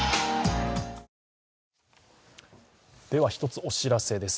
１つお知らせです。